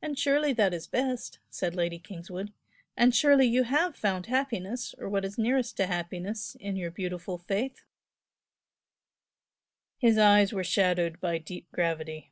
"And surely that is best!" said Lady Kingswood, "and surely you have found happiness, or what is nearest to happiness, in your beautiful Faith?" His eyes were shadowed by deep gravity.